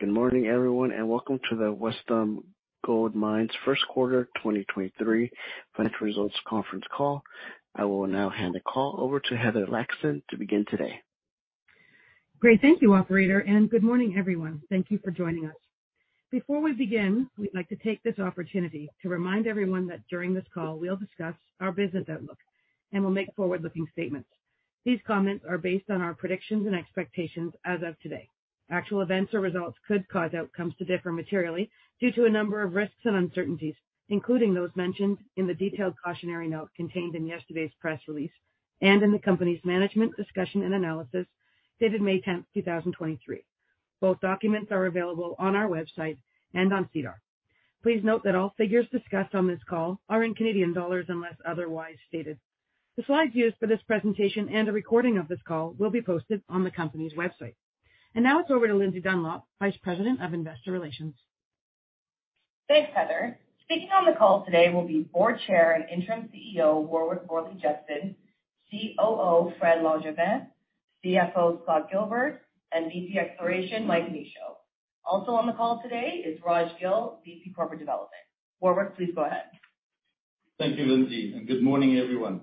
Good morning everyone, welcome to the Wesdome Gold Mines first quarter 2023 financial results conference call. I will now hand the call over to Heather Laxton to begin today. Great. Thank you, operator, and good morning everyone. Thank you for joining us. Before we begin, we'd like to take this opportunity to remind everyone that during this call we'll discuss our business outlook, and we'll make forward-looking statements. These comments are based on our predictions and expectations as of today. Actual events or results could cause outcomes to differ materially due to a number of risks and uncertainties, including those mentioned in the detailed cautionary note contained in yesterday's press release and in the company's management discussion and analysis dated May 10th, 2023. Both documents are available on our website and on SEDAR. Please note that all figures discussed on this call are in Canadian dollars unless otherwise stated. The slides used for this presentation and a recording of this call will be posted on the company's website. Now it's over to Lindsay Dunlop, Vice President of Investor Relations. Thanks, Heather. Speaking on the call today will be Board Chair and Interim CEO, Warwick Morley-Jepson, COO Frédéric Langevin, CFO Scott Gilbert, and VP Exploration, Michael Michaud. Also on the call today is Raj Gill, VP Corporate Development. Warwick, please go ahead. Thank you, Lindsay. Good morning everyone.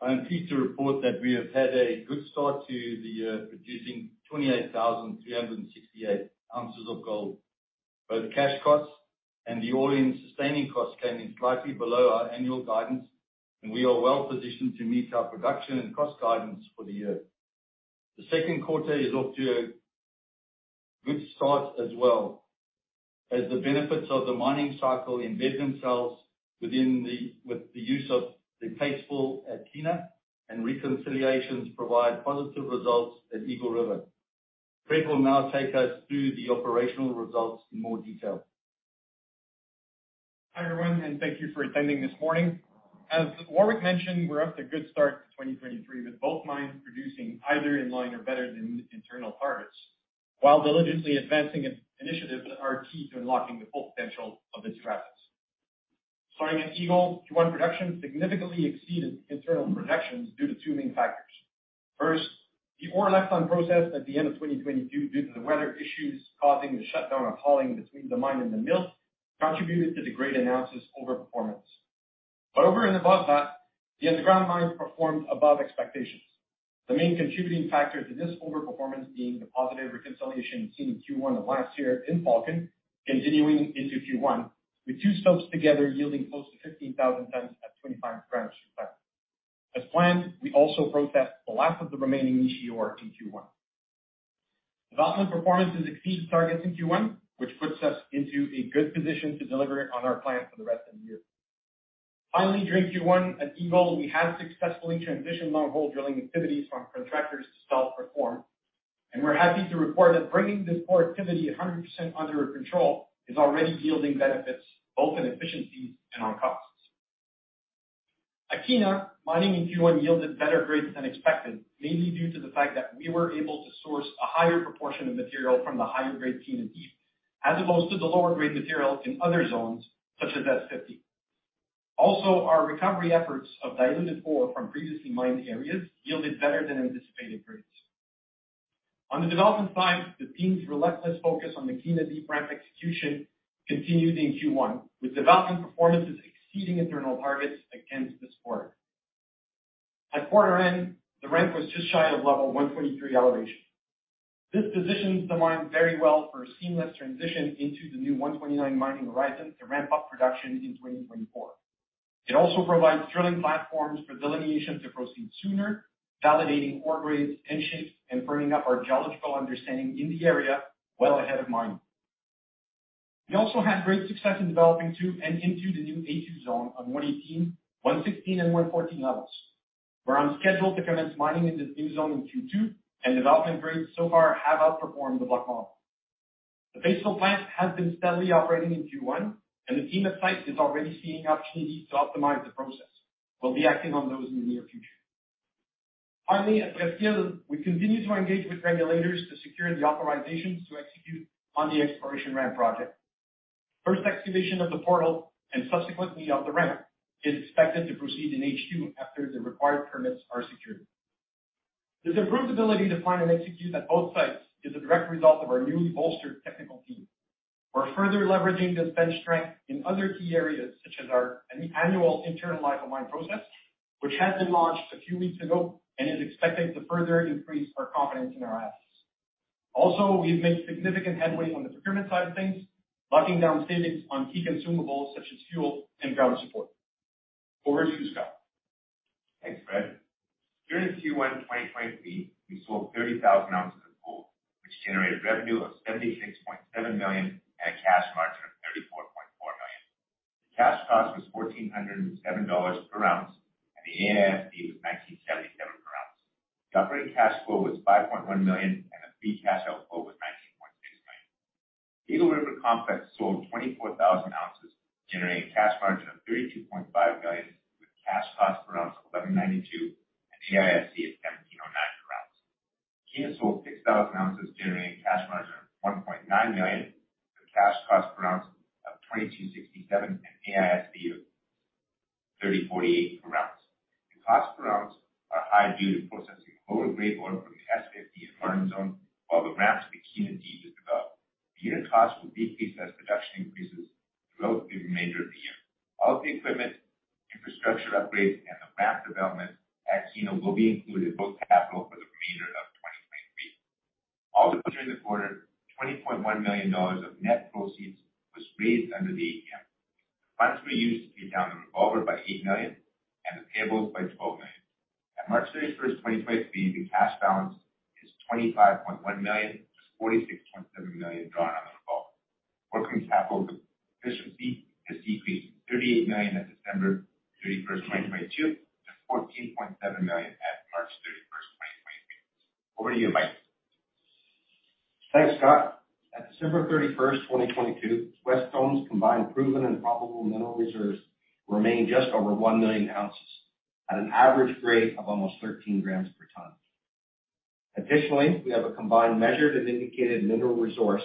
I am pleased to report that we have had a good start to the year, producing 28,368 oz of gold. Both cash costs and the all-in sustaining cost came in slightly below our annual guidance. We are well-positioned to meet our production and cost guidance for the year. The second quarter is off to a good start as well as the benefits of the mining cycle embed themselves with the use of the paste fill at Kiena and reconciliations provide positive results at Eagle River. Fred will now take us through the operational results in more detail. Hi, everyone, and thank you for attending this morning. As Warwick mentioned, we're up to a good start to 2023, with both mines producing either in line or better than internal targets while diligently advancing initiatives that are key to unlocking the full potential of its assets. Starting at Eagle, Q1 production significantly exceeded internal projections due to two main factors. First, the ore left on process at the end of 2022 due to the weather issues causing the shutdown of hauling between the mine and the mill contributed to the grade announces overperformance. Over and above that, the underground mines performed above expectations. The main contributing factor to this overperformance being the positive reconciliation seen in Q1 of last year in Falcon continuing into Q1, with two stopes together yielding close to 15,000 T at 25 g/T. As planned, we also processed the last of the remaining heap leach ore in Q1. Development performances exceeded targets in Q1, which puts us into a good position to deliver on our plans for the rest of the year. During Q1 at Eagle, we have successfully transitioned long hole drilling activities from contractors to self-perform, and we're happy to report that bringing this core activity 100% under our control is already yielding benefits both in efficiencies and on costs. At Kiena, mining in Q1 yielded better grades than expected, mainly due to the fact that we were able to source a higher proportion of material from the higher grade Kiena Deep, as opposed to the lower grade material in other zones such as S-50. Our recovery efforts of diluted ore from previously mined areas yielded better than anticipated grades. On the development side, the team's relentless focus on the Kiena Deep ramp execution continued in Q1, with development performances exceeding internal targets against this quarter. At quarter end, the ramp was just shy of level 143 elevation. This positions the mine very well for a seamless transition into the new 129 mining horizon to ramp up production in 2024. It also provides drilling platforms for delineation to proceed sooner, validating ore grades and shapes and firming up our geological understanding in the area well ahead of mining. We also had great success in developing to and into the new A-2 zone on 118, 116 and 114 levels. We're on schedule to commence mining in this new zone in Q2, and development grades so far have outperformed the block model. The paste fill plant has been steadily operating in Q1, and the team at site is already seeing opportunities to optimize the process. We'll be acting on those in the near future. At Presqu'île, we continue to engage with regulators to secure the authorizations to execute on the exploration ramp project. First excavation of the portal and subsequently of the ramp is expected to proceed in H2 after the required permits are secured. This improved ability to plan and execute at both sites is a direct result of our newly bolstered technical team. We're further leveraging this bench strength in other key areas, such as our annual internal life of mine process, which has been launched a few weeks ago and is expected to further increase our confidence in our assets. We've made significant headway on the procurement side of things, locking down savings on key consumables such as fuel and ground support. Over to you, Scott. Thanks, Fred. During Q1 2023, we sold 30,000 oz of gold, which generated revenue of 76.7 million at a cash margin of 34.4 million. The cash cost was 1,407 dollars per oz, and the AISC was 1,977 per oz. The operating cash flow was 5.1 million, and the free cash outflow was 19.6 million. Eagle River Complex sold 24,000 oz, generating a cash margin of 32.5 million, with cash cost per oz of 1,192 and AISC at 1,709 per oz. Kiena sold 6,000 oz, generating a cash margin of 1.9 million and AISC of 3,480 per oz. The cost per ounce are high due to processing lower grade ore from the S-50 environment zone while the ramps for Kiena Deep is developed. The unit cost will decrease as production increases throughout the remainder of the year. All of the equipment, infrastructure upgrades, and the ramp development at Kiena will be included in both capital for the remainder of 2023. Also during the quarter, 20.1 million dollars of net proceeds was raised under the ATM. The funds were used to pay down the revolver by 8 million and the payables by 12 million. At March 31st, 2023, the cash balance is 25.1 million, with 46.7 million drawn on the revolver. Working capital position has decreased, 38 million at December 31st, 2022 to 14.7 million at March 31st, 2023. Over to you, Mike. Thanks, Scott. At December 31st, 2022, Wesdome's combined Proven and Probable Mineral Reserves remained just over 1 million oz at an average grade of almost 13 g/T. Additionally, we have a combined Measured and Indicated Mineral Resource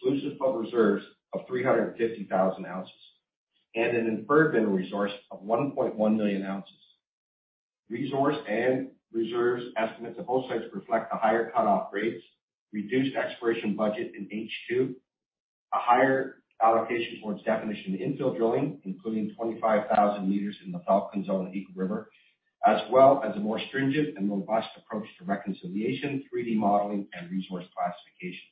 exclusive of reserves of 350,000 oz and an Inferred Mineral Resource of 1.1 million oz. Resource and reserves estimates at both sites reflect the higher cut-off grades, reduced exploration budget in H2, a higher allocation towards definition infill drilling, including 25,000 m in the Falcon Zone at Eagle River, as well as a more stringent and robust approach to reconciliation, 3D modeling, and resource classification.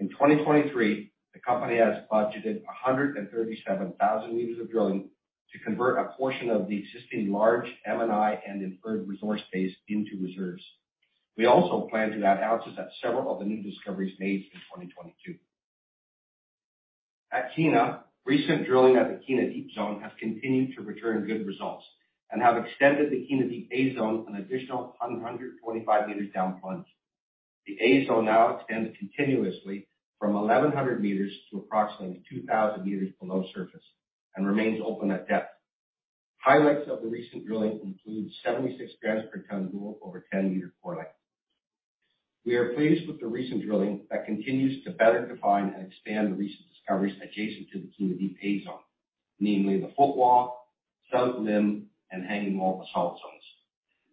In 2023, the company has budgeted 137,000 m of drilling to convert a portion of the existing large M&I and Inferred Resource base into reserves. We also plan to add ounces at several of the new discoveries made in 2022. At Kiena, recent drilling at the Kiena Deep zone has continued to return good results and have extended the Kiena Deep A Zone an additional 125 m down plunge. The A Zone now extends continuously from 1,100 m to approximately 2,000 m below surface and remains open at depth. Highlights of the recent drilling include 76 g/T gold over 10-m core length. We are pleased with the recent drilling that continues to better define and expand the recent discoveries adjacent to the Kiena Deep A Zone, namely the footwall, sub-limb, and hanging wall basalt zones.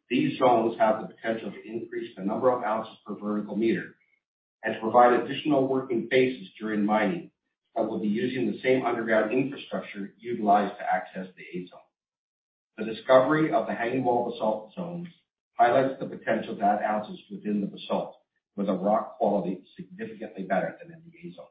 These zones have the potential to increase the number of ounces per vertical meter and to provide additional working faces during mining that will be using the same underground infrastructure utilized to access the A Zone. The discovery of the hanging wall basalt zones highlights the potential to add ounces within the basalt with a rock quality significantly better than in the A Zone.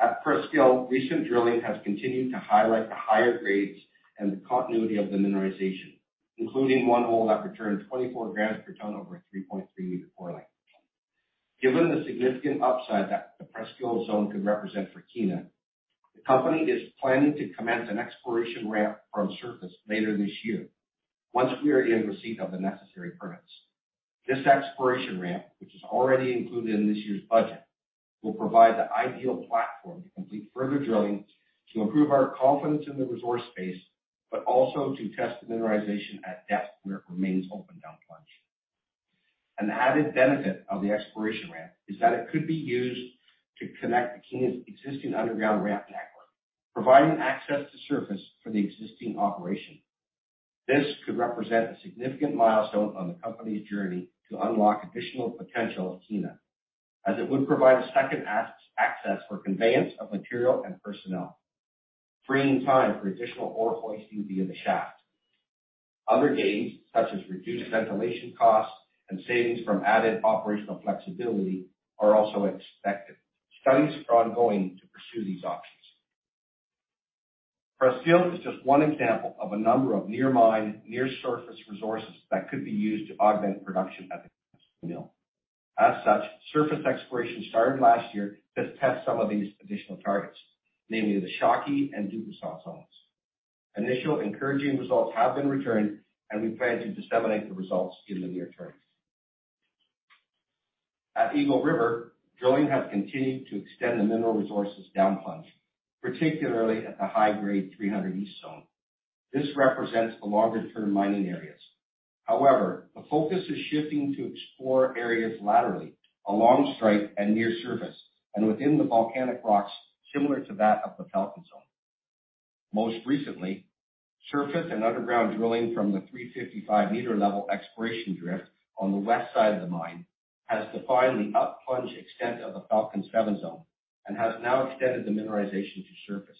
At Presqu'île, recent drilling has continued to highlight the higher grades and the continuity of the mineralization, including one hole that returned 24 g/T over a 3.3-m core length. Given the significant upside that the Presqu'île zone could represent for Kiena, the company is planning to commence an exploration ramp from surface later this year once we are in receipt of the necessary permits. This exploration ramp, which is already included in this year's budget, will provide the ideal platform to complete further drilling to improve our confidence in the resource base, but also to test the mineralization at depth where it remains open down plunge. An added benefit of the exploration ramp is that it could be used to connect to Kiena's existing underground ramp network, providing access to surface for the existing operation. This could represent a significant milestone on the company's journey to unlock additional potential of Kiena, as it would provide a second as-access for conveyance of material and personnel, freeing time for additional ore hoisting via the shaft. Other gains, such as reduced ventilation costs and savings from added operational flexibility, are also expected. Studies are ongoing to pursue these options. Presqu'île is just one example of a number of near mine, near surface resources that could be used to augment production at the mill. Surface exploration started last year to test some of these additional targets, namely the Shawkey and Dupasquier zones. Initial encouraging results have been returned. We plan to disseminate the results in the near term. At Eagle River, drilling has continued to extend the mineral resources down plunge, particularly at the high-grade 300 East Zone. This represents the longer-term mining areas. The focus is shifting to explore areas laterally along strike and near surface and within the volcanic rocks similar to that of the Falcon Zone. Most recently, surface and underground drilling from the 355-m level exploration drift on the west side of the mine has defined the up plunge extent of the Falcon Seven Zone and has now extended the mineralization to surface.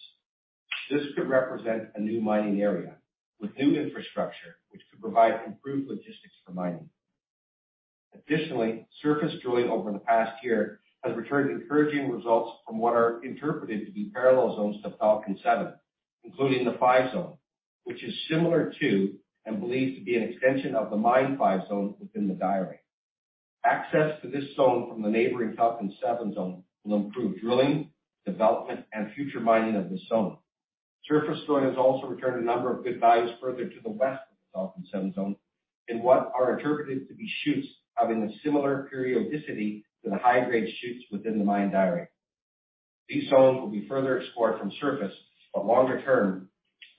This could represent a new mining area with new infrastructure, which could provide improved logistics for mining. Additionally, surface drilling over the past year has returned encouraging results from what are interpreted to be parallel zones to Falcon Seven, including the Five Zone, which is similar to and believed to be an extension of the Mine Five Zone within the diatreme. Access to this zone from the neighboring Falcon Seven Zone will improve drilling, development, and future mining of this zone. Surface drilling has also returned a number of good values further to the west of the Falcon Seven Zone in what are interpreted to be shoots having a similar periodicity to the high-grade shoots within the mine diatreme. These zones will be further explored from surface. Longer term,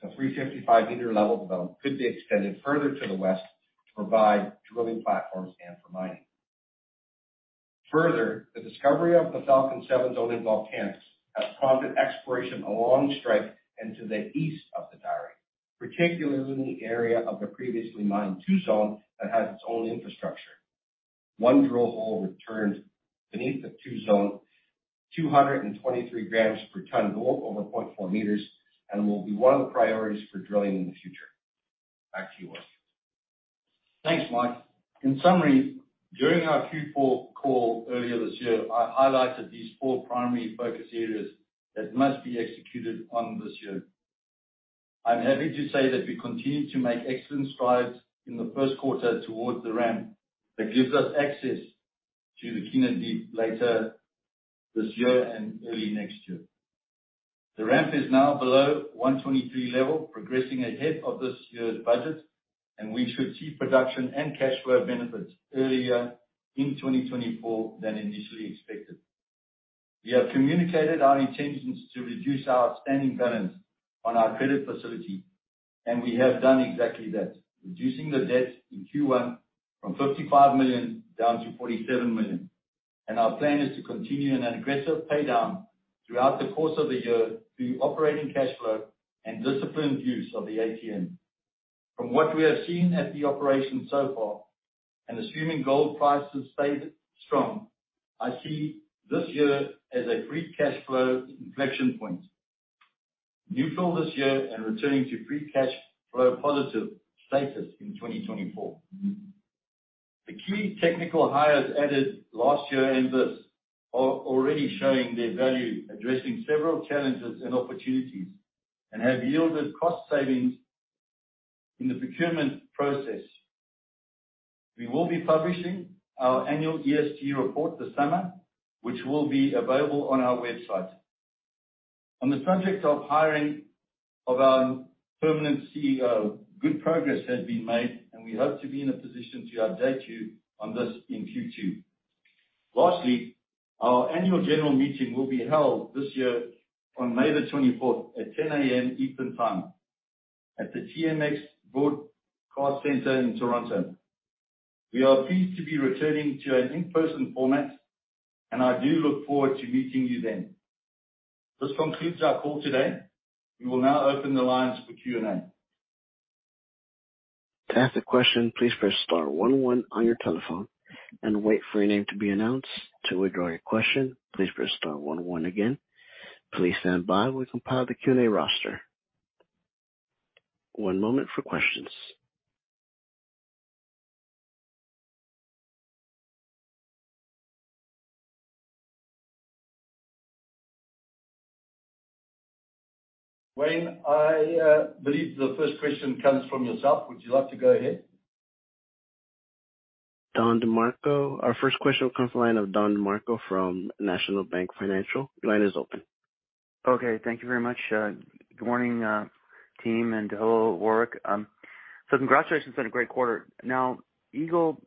the 355-m level development could be extended further to the west to provide drilling platforms and for mining. Further, the discovery of the Falcon Seven zoning volcanic has prompted exploration along strike and to the east of the diatreme, particularly in the area of the previously mined Two Zone that has its own infrastructure. One drill hole returned beneath the Two Zone, 223 g/T gold over 0.4 m and will be one of the priorities for drilling in the future. Back to you, Warwick. Thanks, Mike. In summary, during our Q4 call earlier this year, I highlighted these four primary focus areas that must be executed on this year. I'm happy to say that we continue to make excellent strides in the first quarter towards the ramp that gives us access to the Kiena Deep later this year and early next year. The ramp is now below 123 level, progressing ahead of this year's budget, and we should see production and cash flow benefits earlier in 2024 than initially expected. We have communicated our intentions to reduce our outstanding balance on our credit facility, and we have done exactly that, reducing the debt in Q1 from 55 million down to 47 million. Our plan is to continue an aggressive pay down throughout the course of the year through operating cash flow and disciplined use of the ATM. From what we have seen at the operation so far, assuming gold prices stay strong, I see this year as a free cash flow inflection point. New fill this year and returning to free cash flow positive status in 2024. The key technical hires added last year and this are already showing their value, addressing several challenges and opportunities, and have yielded cost savings in the procurement process. We will be publishing our annual ESG report this summer, which will be available on our website. On the project of hiring of our permanent CEO, good progress has been made, and we hope to be in a position to update you on this in Q2. Lastly, our annual general meeting will be held this year on May 24th at 10:00 A.M. Eastern Time at the TMX Broadcast Center in Toronto. We are pleased to be returning to an in-person format, and I do look forward to meeting you then. This concludes our call today. We will now open the lines for Q&A. To ask a question, please press star one one on your telephone and wait for your name to be announced. To withdraw your question, please press star one one again. Please stand by while we compile the Q&A roster. One moment for questions. Wayne, I believe the first question comes from yourself. Would you like to go ahead? Don DeMarco. Our first question comes the line of Don DeMarco from National Bank Financial. Your line is open. Okay. Thank you very much. Good morning, team, and hello, Warwick. Congratulations on a great quarter. Now, Eagle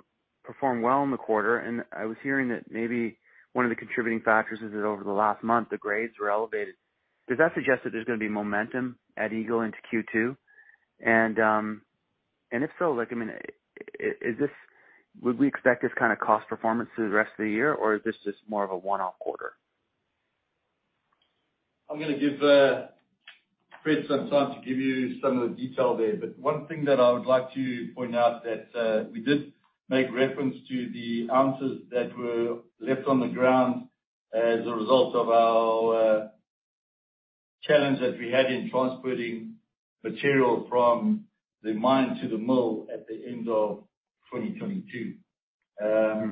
performed well in the quarter, and I was hearing that maybe one of the contributing factors is that over the last month, the grades were elevated. Does that suggest that there's gonna be momentum at Eagle into Q2? If so, like, I mean, is this, would we expect this kind of cost performance through the rest of the year, or is this just more of a one-off quarter? I'm gonna give Fred some time to give you some of the detail there. One thing that I would like to point out that we did make reference to the ounces that were left on the ground as a result of our challenge that we had in transporting material from the mine to the mill at the end of 2022.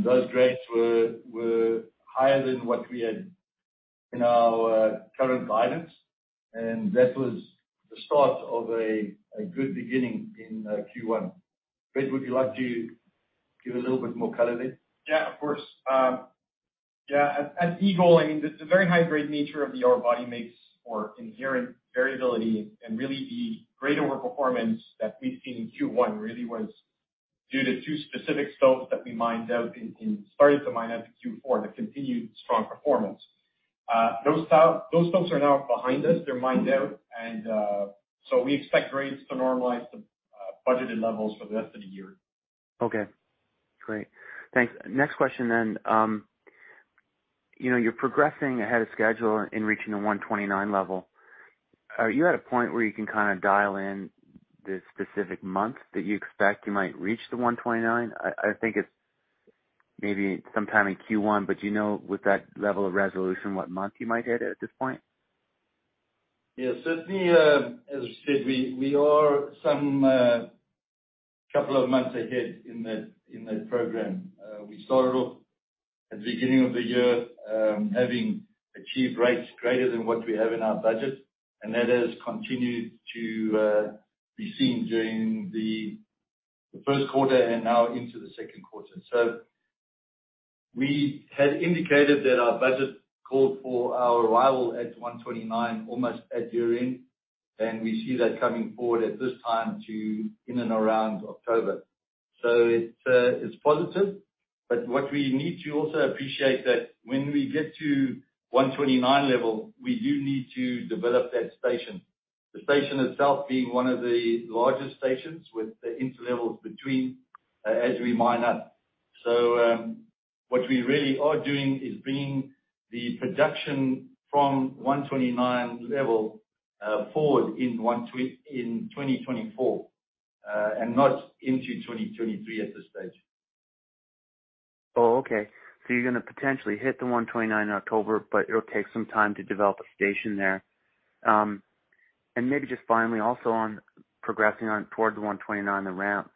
Those grades were higher than what we had in our current guidance, and that was the start of a good beginning in Q1. Fred, would you like to give a little bit more color there? Yeah, of course. Yeah. At Eagle, I mean, the very high-grade nature of the ore body makes for inherent variability. Really the great overperformance that we've seen in Q1 really was due to two specific stopes that we started to mine out in Q4 that continued strong performance. Those stopes are now behind us. They're mined out. We expect grades to normalize to budgeted levels for the rest of the year. Okay, great. Thanks. Next question. you know, you're progressing ahead of schedule in reaching the 129 level. Are you at a point where you can kind of dial in the specific month that you expect you might reach the 129? I think it's maybe sometime in Q1, but do you know with that level of resolution what month you might hit it at this point? Certainly, as I said, we are some couple of months ahead in that program. We started off at the beginning of the year, having achieved rates greater than what we have in our budget, and that has continued to be seen during the first quarter and now into the second quarter. We had indicated that our budget called for our arrival at 129 almost at year-end, and we see that coming forward at this time to in and around October. It is positive, but what we need to also appreciate that when we get to 129 level, we do need to develop that station. The station itself being one of the largest stations with the interlevels between as we mine up. What we really are doing is bringing the production from 129 level forward in 2024, and not into 2023 at this stage. Okay. You're gonna potentially hit the 129 in October, but it'll take some time to develop a station there. Maybe just finally also on progressing on towards the 129, the ramp.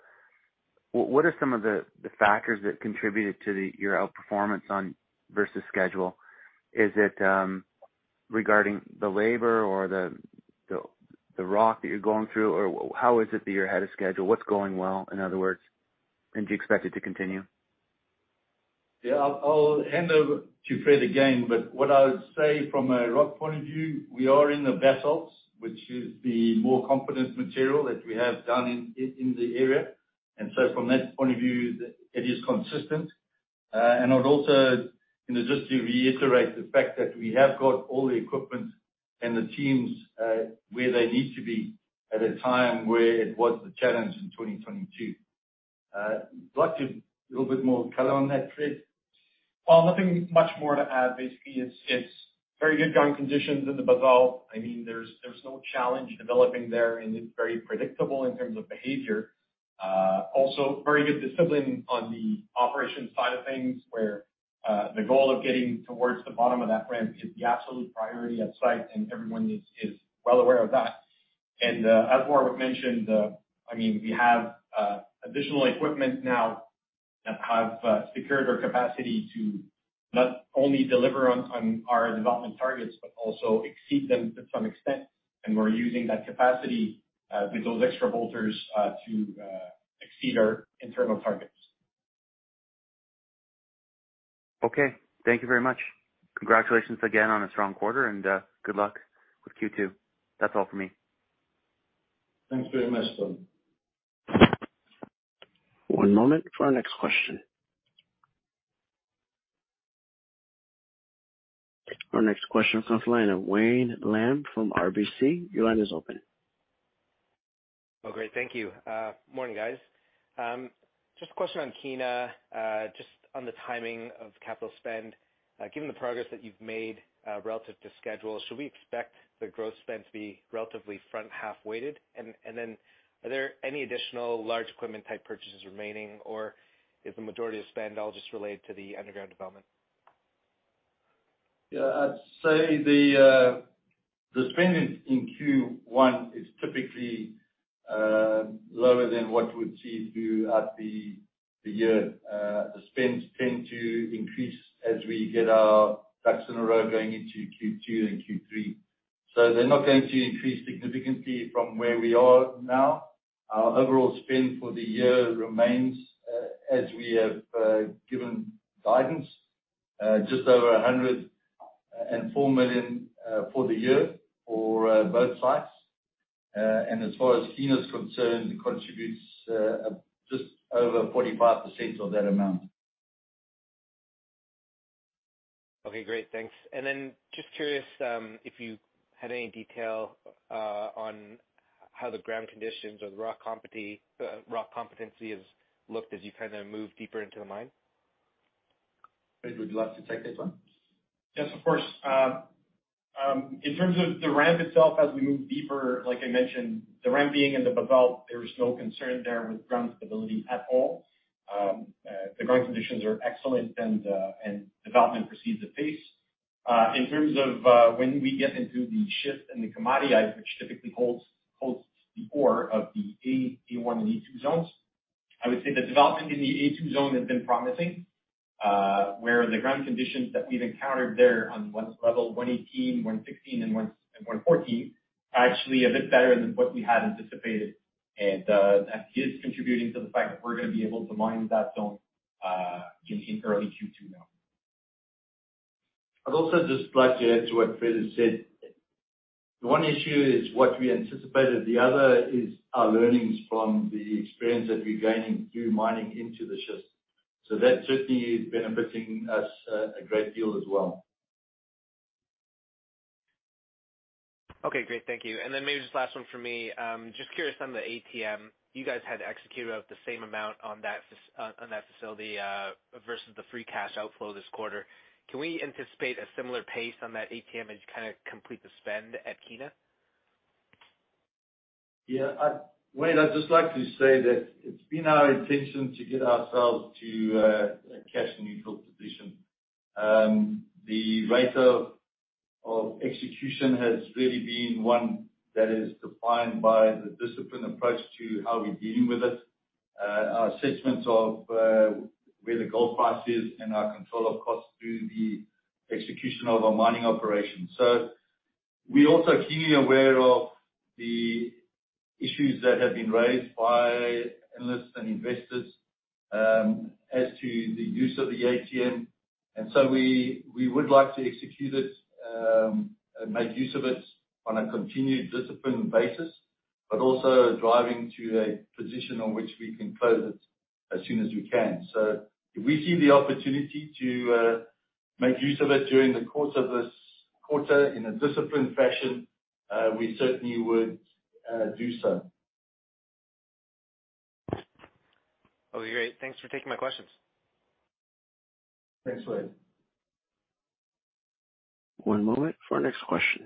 What are some of the factors that contributed to your outperformance on versus schedule? Is it regarding the labor or the rock that you're going through? How is it that you're ahead of schedule? What's going well, in other words, and do you expect it to continue? Yeah. I'll hand over to Fred again. What I would say from a rock point of view, we are in the basalts, which is the more competent material that we have down in the area. From that point of view, it is consistent. I'd also, you know, just to reiterate the fact that we have got all the equipment and the teams where they need to be at a time where it was a challenge in 2022. Would you like to a little bit more color on that, Fred? Nothing much more to add. Basically, it's very good going conditions in the basalt. I mean, there's no challenge developing there, and it's very predictable in terms of behavior. Also very good discipline on the operations side of things, where the goal of getting towards the bottom of that ramp is the absolute priority at site, and everyone is well aware of that. As Warwick mentioned, I mean, we have additional equipment now that have secured our capacity to not only deliver on our development targets, but also exceed them to some extent. We're using that capacity with those extra bolters to exceed our internal targets. Okay. Thank you very much. Congratulations again on a strong quarter. Good luck with Q2. That's all for me. Thanks very much, Don. One moment for our next question. Our next question comes the line of Wayne Lam from RBC. Your line is open. Oh, great. Thank you. Morning, guys. Just a question on Kiena, just on the timing of capital spend. Given the progress that you've made, relative to schedule, should we expect the growth spend to be relatively front half weighted? Then are there any additional large equipment type purchases remaining, or is the majority of spend all just related to the underground development? I'd say the spending in Q1 is typically lower than what we'd see throughout the year. The spends tend to increase as we get our ducks in a row going into Q2 and Q3. They're not going to increase significantly from where we are now. Our overall spend for the year remains as we have given guidance, just over 104 million for the year for both sites. As far as Kiena is concerned, it contributes just over 45% of that amount. Okay, great. Thanks. Just curious, if you had any detail, on how the ground conditions or the rock competency has looked as you kind of move deeper into the mine? Fred, would you like to take this one? Yes, of course. In terms of the ramp itself as we move deeper, like I mentioned, the ramp being in the basalt, there is no concern there with ground stability at all. The ground conditions are excellent and development proceeds at pace. In terms of when we get into the schist in the commodity, which typically holds the core of the A, A1, and E2 zones, I would say the development in the A2 zone has been promising. Where the ground conditions that we've encountered there on level 118, 116, and 114 are actually a bit better than what we had anticipated. That is contributing to the fact that we're gonna be able to mine that zone in early Q2 now. I'd also just like to add to what Fred has said. One issue is what we anticipated, the other is our learnings from the experience that we're gaining through mining into the schist. That certainly is benefiting us, a great deal as well. Okay, great. Thank you. Then maybe just last one from me. Just curious on the ATM, you guys had executed out the same amount on that facility, versus the free cash outflow this quarter. Can we anticipate a similar pace on that ATM as you kinda complete the spend at Kiena? Yeah. Wayne, I'd just like to say that it's been our intention to get ourselves to a cash neutral position. The rate of execution has really been one that is defined by the disciplined approach to how we're dealing with it. Our assessments of where the gold price is and our control of costs through the execution of our mining operations. We're also keenly aware of the issues that have been raised by analysts and investors, as to the use of the ATM. We would like to execute it and make use of it on a continued disciplined basis. Also driving to a position on which we can close it as soon as we can. If we see the opportunity to make use of it during the course of this quarter in a disciplined fashion, we certainly would do so. Okay, great. Thanks for taking my questions. Thanks, Wayne. One moment for our next question.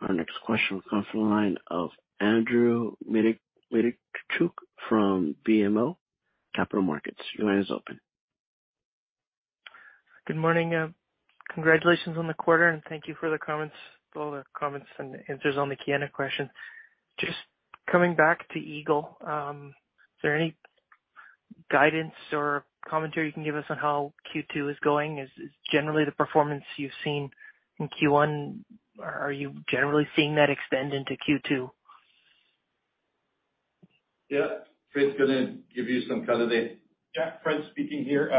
Our next question comes from the line of Andrew Mikitchook from BMO Capital Markets. Your line is open. Good morning. Congratulations on the quarter. Thank you for the comments, all the comments and answers on the Kiena question. Coming back to Eagle, is there any guidance or commentary you can give us on how Q2 is going? Is generally the performance you've seen in Q1, are you generally seeing that extend into Q2? Yeah. Fred's gonna give you some color there. Yeah. Fred speaking here.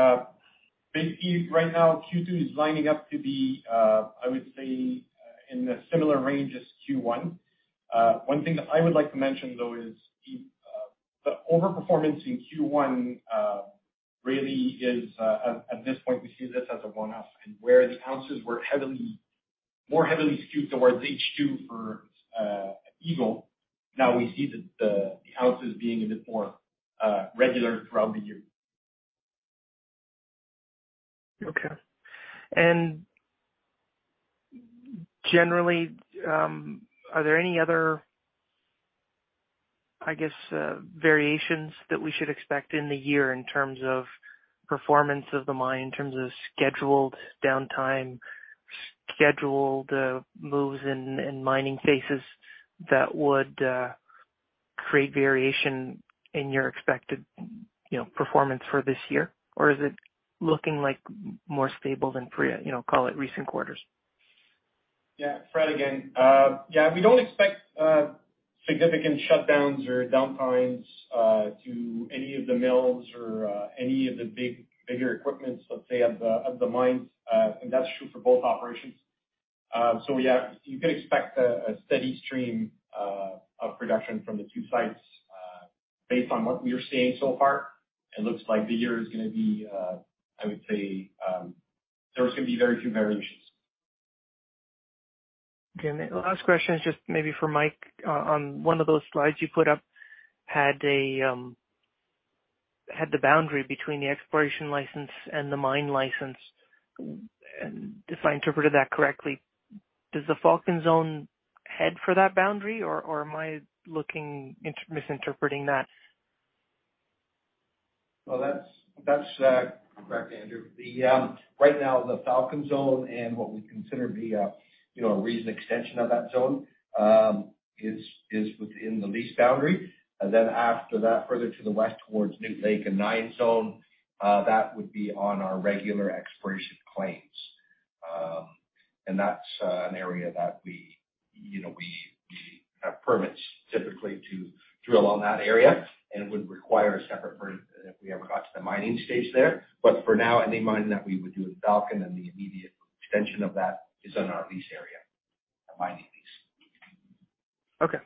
Basically, right now Q2 is lining up to be, I would say, in a similar range as Q1. One thing that I would like to mention, though, is the overperformance in Q1, really is, at this point, we see this as a one-off. Where the ounces were heavily, more heavily skewed towards H2 for Eagle, now we see the ounces being a bit more, regular throughout the year. Okay. Generally, are there any other, I guess, variations that we should expect in the year in terms of performance of the mine, in terms of scheduled downtime, scheduled moves in mining phases that would create variation in your expected, you know, performance for this year? Or is it looking like more stable than pre, you know, call it recent quarters? Yeah. Fred again. Yeah, we don't expect significant shutdowns or downtimes to any of the mills or any of the big, bigger equipments, let's say, of the mines. That's true for both operations. Yeah, you can expect a steady stream of production from the two sites. Based on what we are seeing so far, it looks like the year is gonna be, I would say, there's gonna be very few variations. Okay. The last question is just maybe for Mike. On one of those slides you put up had the boundary between the exploration license and the mine license. If I interpreted that correctly, does the Falcon Zone head for that boundary, or am I looking misinterpreting that? That's correct, Andrew. Right now the Falcon Zone and what we consider to be a, you know, a recent extension of that zone, is within the lease boundary. After that, further to the west towards Newt Lake and Nine Zone, that would be on our regular exploration claims. That's an area that we, you know, we have permits typically to drill on that area and would require a separate permit if we ever got to the mining stage there. For now, any mining that we would do with Falcon and the immediate extension of that is on our lease area, our mining lease. Okay.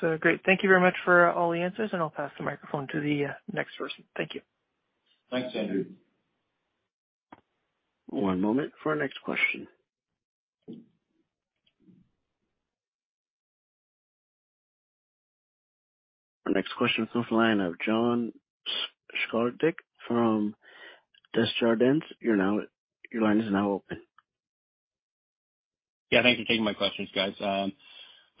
That's great. Thank you very much for all the answers. I'll pass the microphone to the next person. Thank you. Thanks, Andrew. One moment for our next question. Our next question is from the line of John Sclodnick from Desjardins. Your line is now open. Yeah, thank you for taking my questions, guys.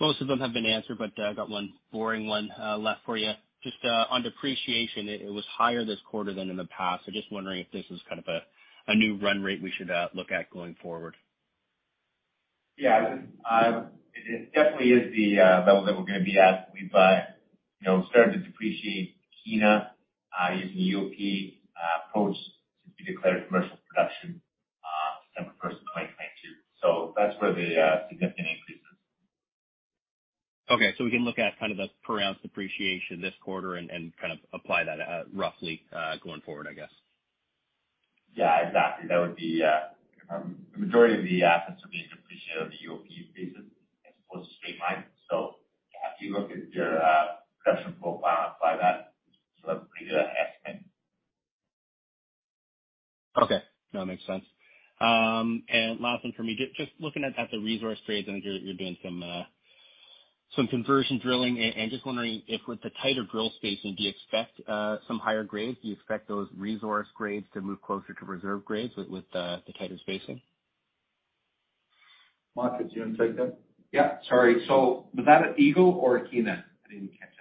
Most of them have been answered, but I've got one boring one left for you. Just on depreciation, it was higher this quarter than in the past. Just wondering if this is kind of a new run rate we should look at going forward? Yeah. It definitely is the level that we're gonna be at. We've, you know, started to depreciate Kiena, using EOP approach since we declared commercial production, December 1st, 2022. That's where the significant increase is. Okay. We can look at kind of the per ounce depreciation this quarter and kind of apply that, roughly, going forward, I guess. Yeah, exactly. That would be. The majority of the assets are being depreciated on the EOP basis as opposed to straight-line. If you look at your production profile by that, so that'll bring you to that estimate. Okay. No, it makes sense. Last one for me, just looking at the resource grades, I know you're doing some conversion drilling. Just wondering if with the tighter drill spacing, do you expect some higher grades? Do you expect those resource grades to move closer to reserve grades with the tighter spacing? Mike, could you insight that? Yeah. Sorry. Was that at Eagle or at Kiena? I didn't catch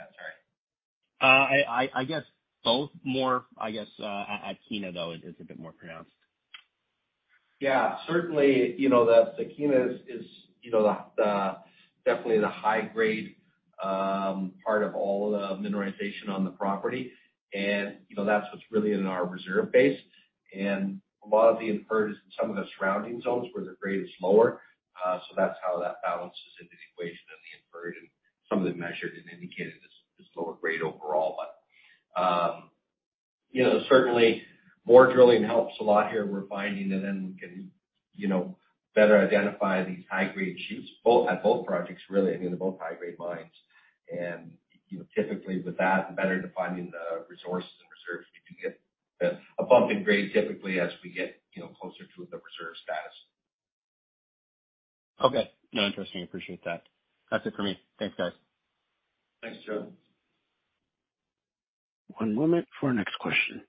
that, sorry. I guess both. More I guess, at Kiena, though, is a bit more pronounced. Yeah. Certainly, you know, Kiena is, you know, the definitely the high grade part of all the mineralization on the property. You know, that's what's really in our reserve base. A lot of the Inferred is in some of the surrounding zones where the grade is lower. That's how that balances into the equation and the Inferred and some of the Measured and Indicated is lower grade overall, but. You know, certainly more drilling helps a lot here. We're finding and then we can, you know, better identify these high-grade shoots at both projects, really. I mean, they're both high-grade mines. You know, typically with that, the better defining the resources and reserves, we do get a bump in grade typically as we get, you know, closer to the reserve status. Okay. No, interesting. Appreciate that. That's it for me. Thanks, guys. Thanks, Joe. One moment for our next question.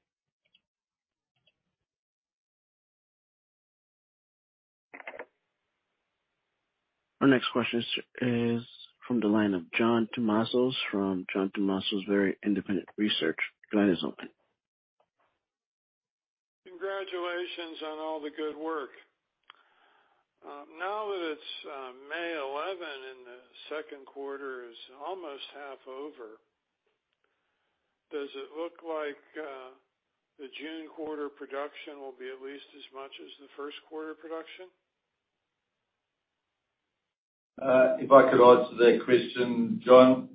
Our next question is from the line of John Tumazos from John Tumazos Very Independent Research. Your line is open. Congratulations on all the good work. Now that it's May 11 and the second quarter is almost half over, does it look like the June quarter production will be at least as much as the first quarter production? If I could answer that question, John.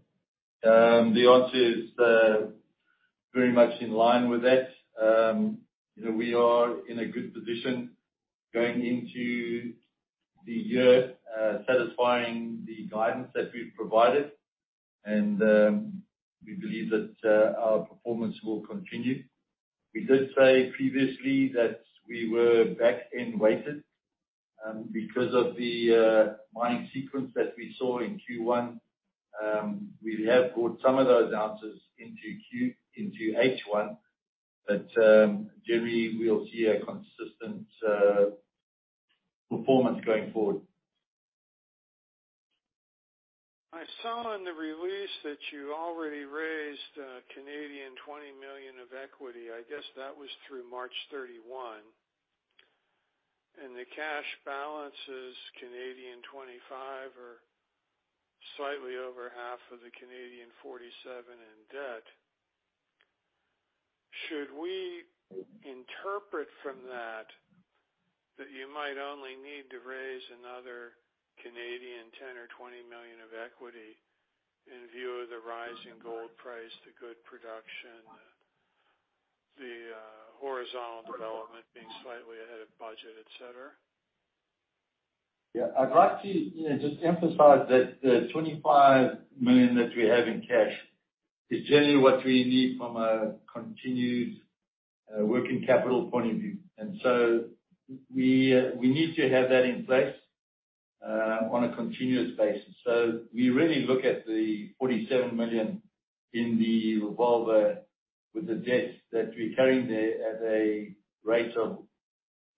The answer is very much in line with that. You know, we are in a good position going into the year, satisfying the guidance that we've provided. We believe that our performance will continue. We did say previously that we were back-end weighted because of the mining sequence that we saw in Q1. We have brought some of those ounces into H1, but generally, we'll see a consistent performance going forward. I saw in the release that you already raised 20 million of equity. I guess that was through March 31. The cash balance is 25 or slightly over half of the 47 in debt. Should we interpret from that you might only need to raise another 10 million or 20 million of equity in view of the rising gold price, the good production, the horizontal development being slightly ahead of budget, et cetera? Yeah. I'd like to, you know, just emphasize that the 25 million that we have in cash is generally what we need from a continued working capital point of view. We need to have that in place on a continuous basis. We really look at the 47 million in the revolver with the debt that we're carrying there at a rate of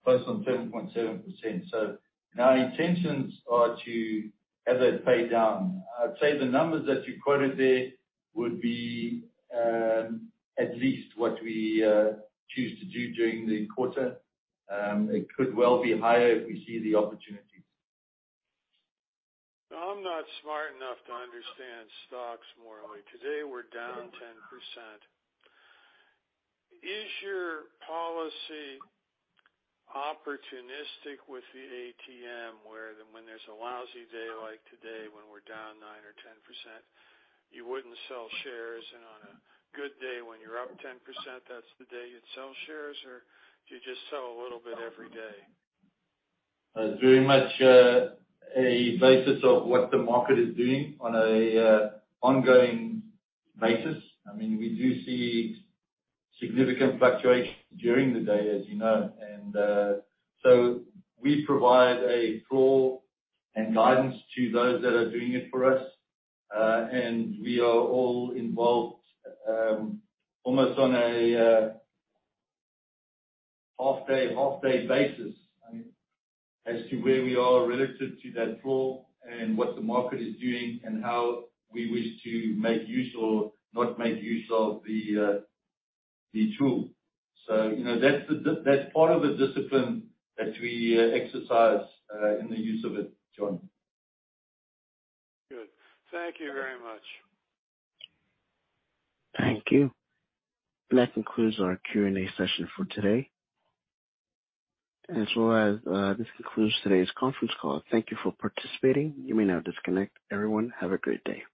close on 10.7%. Our intentions are to have that paid down. I'd say the numbers that you quoted there would be at least what we choose to do during the quarter. It could well be higher if we see the opportunity. I'm not smart enough to understand stocks morally. Today we're down 10%. Is your policy opportunistic with the ATM, where then when there's a lousy day like today when we're down 9% or 10%, you wouldn't sell shares, and on a good day when you're up 10%, that's the day you'd sell shares? Or do you just sell a little bit every day? It's very much, a basis of what the market is doing on a ongoing basis. I mean, we do see significant fluctuation during the day, as you know. So we provide a floor and guidance to those that are doing it for us. We are all involved, almost on a half day basis, I mean, as to where we are relative to that floor and what the market is doing and how we wish to make use or not make use of the tool. You know, that's part of the discipline that we exercise, in the use of it, John. Good. Thank you very much. Thank you. That concludes our Q&A session for today as well as, this concludes today's conference call. Thank you for participating. You may now disconnect. Everyone, have a great day.